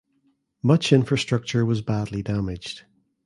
Much infrastructure was badly damaged.